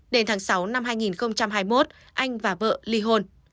đến tháng sáu năm hai nghìn hai mươi một anh và vợ ly hôn